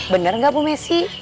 bener gak bu messi